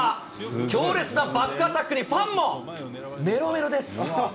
強烈なバックアタックにファンもめろめろです。